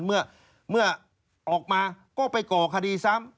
เมื่อออกมาก็ไปก่อคดีซ้ำ